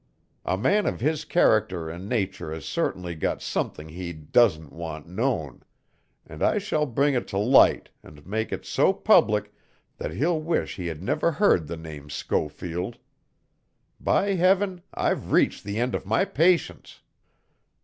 "A man of his character and nature has certainly got something he doesn't want known, and I shall bring it to light and make it so public that he'll wish he had never heard the name Schofield. By Heaven, I've reached the end of my patience!"